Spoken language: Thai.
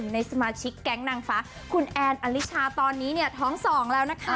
ในสมาชิกแก๊งนางฟ้าคุณแอนอลิชาตอนนี้เนี่ยท้อง๒แล้วนะคะ